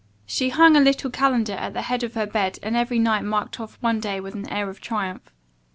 She hung a little calendar at the head of her bed and every night marked off one day with an air of triumph.